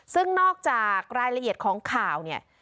ซึ่งนอกจากรายละเอียดของข่าวเนี่ย